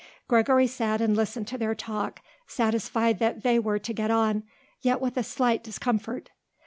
Gregory sat and listened to their talk, satisfied that they were to get on, yet with a slight discomfort.